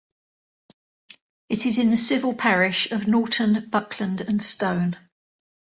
It is in the civil parish of Norton, Buckland and Stone.